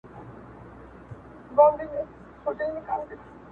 د ستړي ژوند ستړې کیسي دي